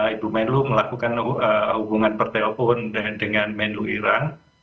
ibu menlo melakukan hubungan pertelepon dengan menlo iran